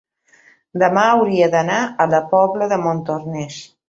demà hauria d'anar a la Pobla de Montornès.